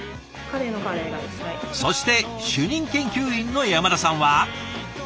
そして主任研究員の山田さんは。